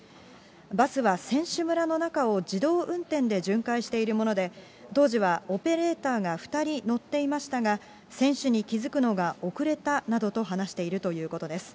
バスは選手村の中を自動運転で巡回しているもので、当時はオペレーターが２人乗っていましたが、選手に気付くのが遅れたなどと話しているということです。